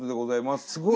すごい！